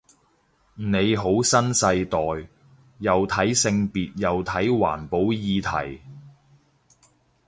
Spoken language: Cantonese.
你好新世代，又睇性別又睇環保議題